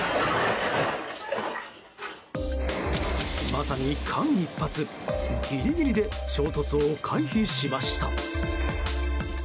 まさに間一髪ギリギリで衝突を回避しました。